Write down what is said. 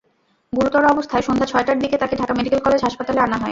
গুরুতর অবস্থায় সন্ধ্যা ছয়টার দিকে তাঁকে ঢাকা মেডিকেল কলেজ হাসপাতালে আনা হয়।